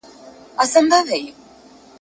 ته لاهو په تنهایی کي ,